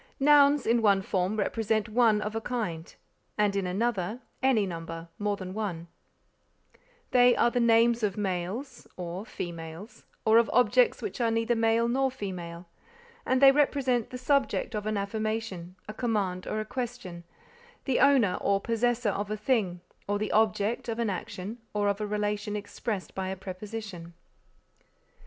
Nouns, in one form, represent one of a kind, and in another, any number more than one; they are the names of males, or females, or of objects which are neither male nor female; and they represent the subject of an affirmation, a command or a question, the owner or possessor of a thing, or the object of an action, or of a relation expressed by a preposition.